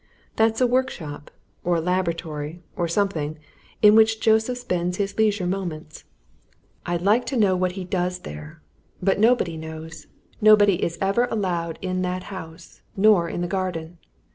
That's a workshop, or a laboratory, or something, in which Joseph spends his leisure moments. I'd like to know what he does there. But nobody knows! Nobody is ever allowed in that house, nor in the garden.